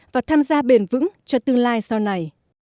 và tham gia bền vững cho tương lai sau này